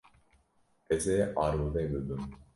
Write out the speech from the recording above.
Ez ê arode bibim.